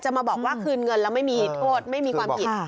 มาบอกว่าคืนเงินแล้วไม่มีโทษไม่มีความผิด